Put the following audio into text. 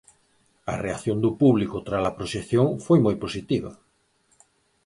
A reacción do público trala proxección foi moi positiva.